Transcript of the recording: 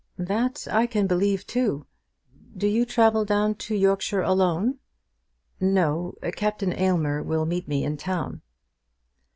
"That I can believe too. Do you travel down to Yorkshire alone?" "No; Captain Aylmer will meet me in town."